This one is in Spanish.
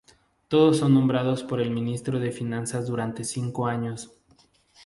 Todos son nombrados por el Ministro de Finanzas durante cinco años.